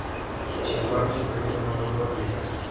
Sin embargo, este proyecto no logró realizarse.